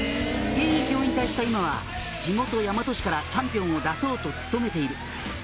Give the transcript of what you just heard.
「現役を引退した今は地元大和市からチャンピオンを出そうと努めている」